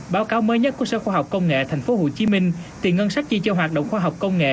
báo cáo mới nhất của sở khoa học công nghệ tp hcm tiền ngân sách chi cho hoạt động khoa học công nghệ